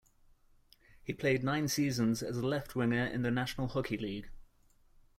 He played nine seasons as a left winger in the National Hockey League.